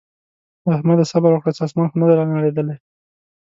احمده! صبره وکړه څه اسمان خو نه دی رانړېدلی.